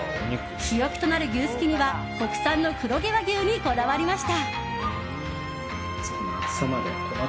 主役となる牛すき煮は国産の黒毛和牛にこだわりました。